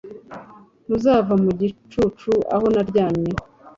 Ntuzava mu gicucu aho naryamye